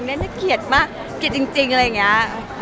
ว้าวใครจะมาทำยิ่งใหญ่กว่าเดิม